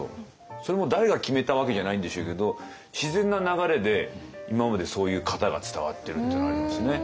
それも誰が決めたわけじゃないんでしょうけど自然な流れで今までそういう型が伝わってるっていうのはありますね。